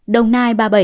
đồng nai ba mươi bảy